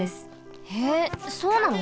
へえそうなの？